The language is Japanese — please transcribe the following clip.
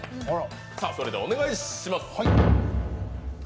それではお願いします。